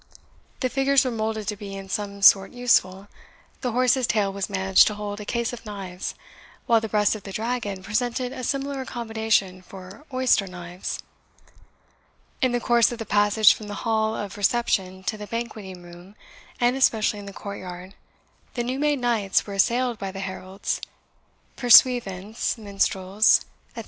The figures were moulded to be in some sort useful. The horse's tail was managed to hold a case of knives, while the breast of the dragon presented a similar accommodation for oyster knives. In the course of the passage from the hall of reception to the banqueting room, and especially in the courtyard, the new made knights were assailed by the heralds, pursuivants, minstrels, etc.